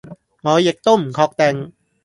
我亦都唔確定